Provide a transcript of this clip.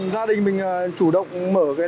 gia đình mình chủ động mở cái lối thoát